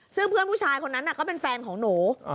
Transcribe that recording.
ซึ่งเพื่อนผู้ชายคนนั้นก็เป็นแฟนของหนู